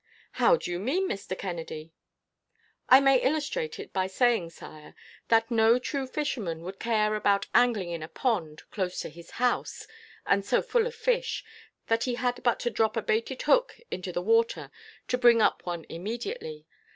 "How do you mean, Mr. Kennedy?" "I may illustrate it by saying, Sire, that no true fisherman would care about angling in a pond, close to his house, and so full of fish, that he had but to drop a baited hook into the water to bring up one immediately.